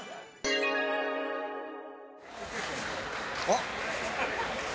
あっ！